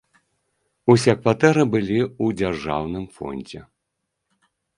Усе кватэры былі ў дзяржаўным фондзе.